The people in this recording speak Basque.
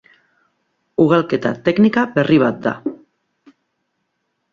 Ugalketa teknika berri bat da.